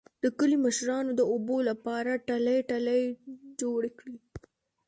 د کلي مشرانو د اوبو لپاره ټلۍ ټلۍ جوړې کړې